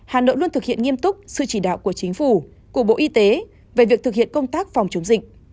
hà nội luôn thực hiện nghiêm túc sự chỉ đạo của chính phủ của bộ y tế về việc thực hiện công tác phòng chống dịch